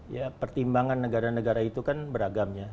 ya pertimbangan negara negara itu kan beragam ya